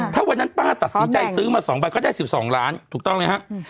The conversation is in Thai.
ถ้าวันนั้นป้าตัดสินใจซื้อมา๒ใบก็ได้๑๒ล้านถูกต้องไหมครับ